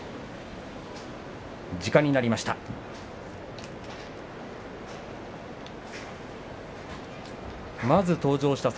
時間になりました。